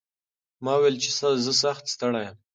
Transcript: ما وویل چې زه سخت ستړی یم.